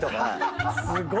すごい。